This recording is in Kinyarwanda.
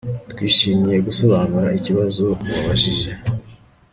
Twishimiye gusobanura ikibazo wabajije